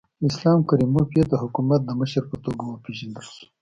اسلام کریموف یې د حکومت د مشر په توګه وپېژندل شو.